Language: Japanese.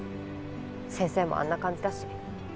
先生もあんな感じだし。